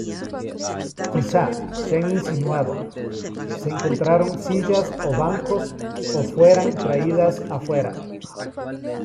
Quizá, se ha insinuado, se encontraran sillas o bancos o fueran traídas afuera.